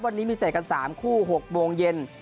วันนี้มีเตะกัน๓คู่๖โมงเย็น